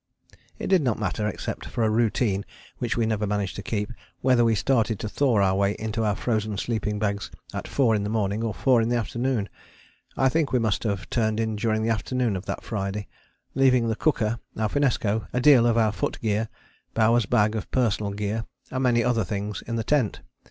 It did not matter, except for a routine which we never managed to keep, whether we started to thaw our way into our frozen sleeping bags at 4 in the morning or 4 in the afternoon. I think we must have turned in during the afternoon of that Friday, leaving the cooker, our finnesko, a deal of our foot gear, Bowers' bag of personal gear, and many other things in the tent.